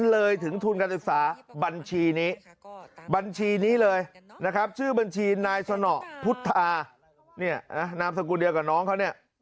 เลยถึงทุนการศึกษาบัญชีนี้บัญชีนี้เลยนะครับชื่อบัญชีนายสนพุทธาเนี่ยนะนามสกุลเดียวกับน้องเขาเนี่ย